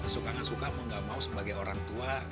suka gak suka mau gak mau